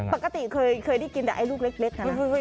ปกติเคยได้กินแต่ไอ้ลูกเล็กนะ